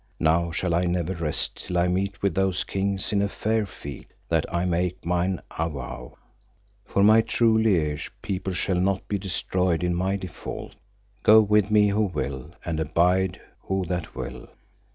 Now shall I never rest till I meet with those kings in a fair field, that I make mine avow; for my true liege people shall not be destroyed in my default, go with me who will, and abide who that will.